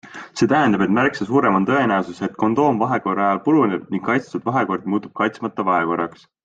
See tähendab, et märksa suurem on tõenäosus, et kondoom vahekorra ajal puruneb ning kaitstud vahekord muutub kaitsmata vahekorraks.